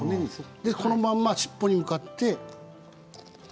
このまんま尻尾に向かって。